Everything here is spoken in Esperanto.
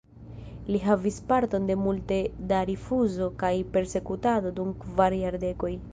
Li havis parton de multe da rifuzo kaj persekutado dum kvar jardekoj.